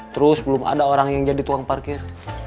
terus belum ada orang yang jadi tukang parkir